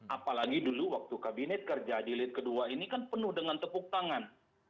apalagi dulu waktu kabinet kerja di lit kedua ini kan penuh dengan tepuk tangan